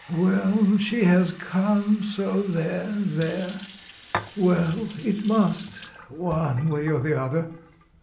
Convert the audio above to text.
Well, she has come, so there, there! Well, it must... one way or another."